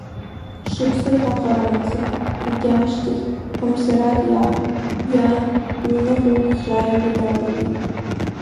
Шықәсык аҟара анҵы, егьи ашьҭахь Гәамсараҭ иаб, иан, иҩныҟа гәхьааиго далагеит.